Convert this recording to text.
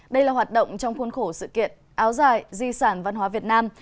đây là hoạt động trong khuôn khổ sự kiện áo dài di sản văn hóa việt nam